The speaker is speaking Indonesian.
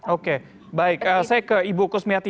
oke baik saya ke ibu kusmiati